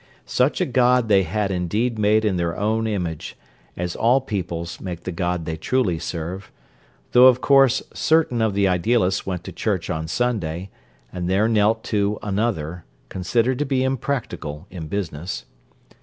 Such a god they had indeed made in their own image, as all peoples make the god they truly serve; though of course certain of the idealists went to church on Sunday, and there knelt to Another, considered to be impractical in business.